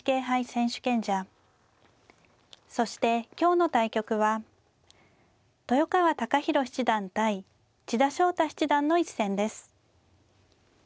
そして今日の対局は豊川孝弘七段対千田翔太七段の一戦です。